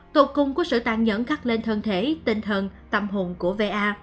tụt cung của sự tàn nhẫn khắc lên thân thể tinh thần tâm hồn của va